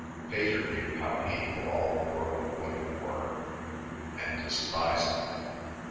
Pater knew how hateful all the world of women were and despised them.